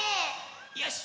よし！